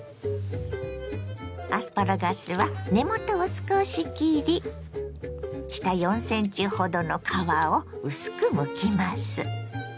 アスパラガスは根元を少し切り下４ｃｍほどの皮を薄くむきます。